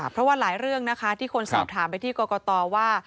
เพราะว่าหลายเรื่องนะคะที่คนสอบถามไปที่กรกตว่า